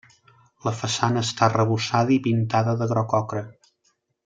La façana està arrebossada i pintada de groc ocre.